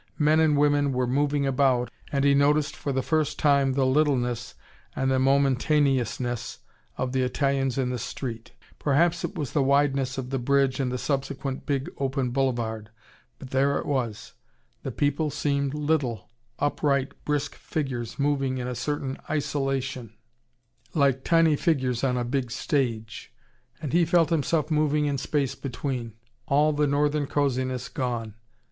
Men and women were moving about, and he noticed for the first time the littleness and the momentaneousness of the Italians in the street. Perhaps it was the wideness of the bridge and the subsequent big, open boulevard. But there it was: the people seemed little, upright brisk figures moving in a certain isolation, like tiny figures on a big stage. And he felt himself moving in the space between. All the northern cosiness gone.